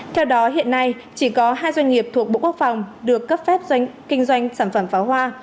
theo đó hiện nay chỉ có hai doanh nghiệp thuộc bộ quốc phòng được cấp phép kinh doanh sản phẩm pháo hoa